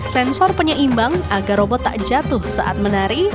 sensor penyeimbang agar robot tak jatuh saat menari